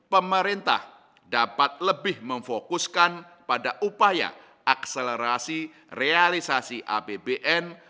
pemerintah dapat lebih memfokuskan pada upaya akselerasi realisasi apbn